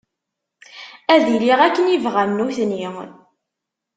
Ad iliɣ akken i bɣan nutni.